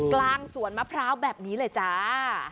กลางสวนมะพร้าวแบบนี้เลยจ้า